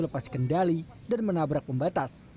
lepas kendali dan menabrak pembatas